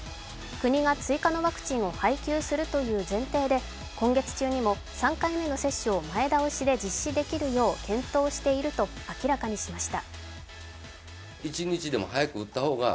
国が追加のワクチンを配給するという前提で今月中にも３回目の接種を前倒しで実施できるよう検討していると明らかにしました。